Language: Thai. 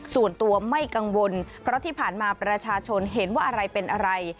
ส่วนตัวไม่กังวลเพราะที่ผ่านมาประชาชนเห็นว่าอะไรเป็นอะไร